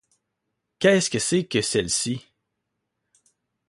Qu'est-ce que c'est que celle-ci?